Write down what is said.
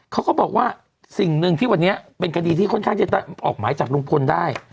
เขาก็บอกว่าสิ่งหนึ่งที่วันนี้เป็นคดีที่ค่อนข้างจะออกหมายจับลุงพลได้